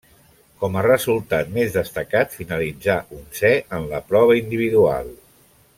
Com a resultat més destacat finalitzà onzè en la prova individual.